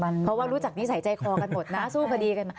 เพราะว่ารู้จักนิสัยใจคอกันหมดนะสู้คดีกันมา